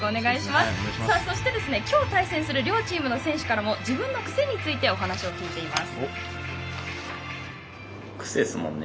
そしてきょう対戦する両チームの選手からも自分のクセについてお話を聞いています。